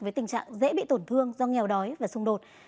với tình trạng dễ bị tổn thương do nghèo đói và xung đột